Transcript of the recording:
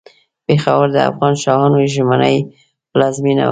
پېښور د افغان شاهانو ژمنۍ پلازمېنه وه.